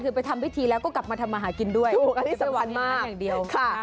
หลายปี